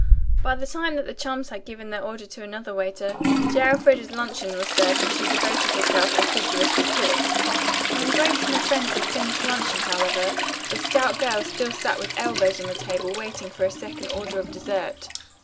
By the time that the chums had given their order to another waiter, J. Elfreda's luncheon was served and she devoted herself assiduously to it. When Grace and her friends had finished luncheon, however, the stout girl still sat with elbows on the table waiting for a second order of dessert.